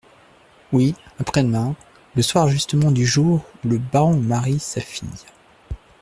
Oui, après-demain, le soir justement du jour où le baron marie sa fille.